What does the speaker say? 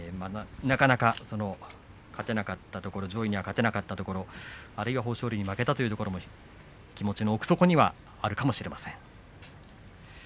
なかなか上位には勝てなかったところあるいは豊昇龍に負けたというところも気持ちの奥底にあるかもしれません。